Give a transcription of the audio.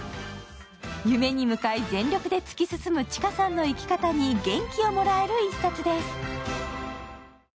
夢に向かい全力で突き進むｃｈｉｋａさんの生き方に元気をもらえる一冊です。